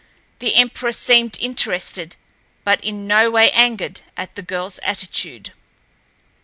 The emperor seemed interested, but in no way angered at the girl's attitude.